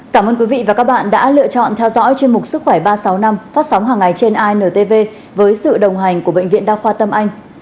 cảm ơn quý vị và các bạn đã lựa chọn theo dõi chuyên mục sức khỏe ba trăm sáu mươi năm phát sóng hàng ngày trên intv với sự đồng hành của bệnh viện đa khoa tâm anh